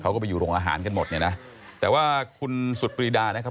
เขาก็ไปอยู่โรงอาหารกันหมดเนี่ยนะแต่ว่าคุณสุดปรีดานะครับ